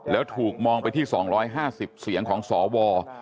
แล้วถูกมองไปที่๒๕๐เสียงของสว